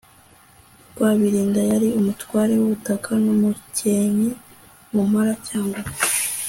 rwabilinda, yari umutware w'ubutaka n'umukenke mu mpala (cyangugu)